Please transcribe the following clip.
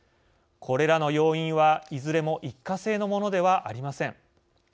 これらの要因は、いずれも一過性のものではありません。